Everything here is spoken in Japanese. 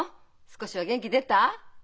少しは元気出た？